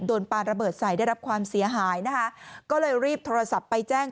ปลาระเบิดใส่ได้รับความเสียหายนะคะก็เลยรีบโทรศัพท์ไปแจ้ง